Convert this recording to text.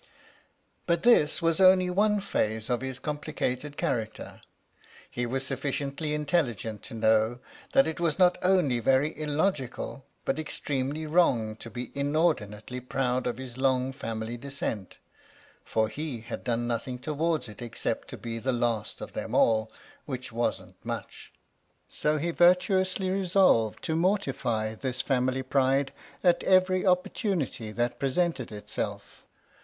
But this was only one phase of his complicated character. He was sufficiently intelligent to know that it was not only very illogical but extremely wrong to be inordinately proud of his long family descent (for he had done nothing towards it except to be the last of them all, which wasn't much), so he virtuously resolved to mortify this family pride at every opportunity that presented itself.